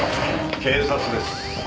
警察です。